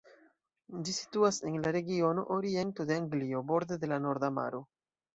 Ĝi situas en la regiono Oriento de Anglio, borde de la Norda Maro.